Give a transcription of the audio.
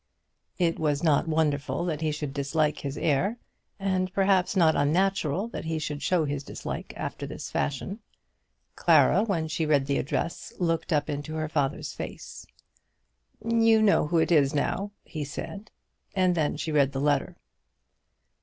It was not wonderful that he should dislike his heir; and, perhaps, not unnatural that he should show his dislike after this fashion. Clara, when she read the address, looked up into her father's face. "You know who it is now," he said. And then she read the letter.